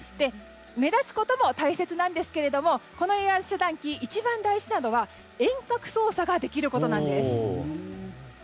目立つことも大切なんですがこのエアー遮断機一番大事なのは遠隔操作ができることなんです。